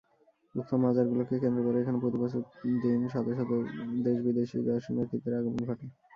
উক্ত মাজার গুলোকে কেন্দ্র করে এখানে প্রতি দিন শত শত দেশ-বিদেশী দর্শনার্থীর আগমন ঘটে।